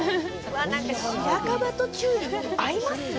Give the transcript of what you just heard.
白樺とチューリップ合いますね。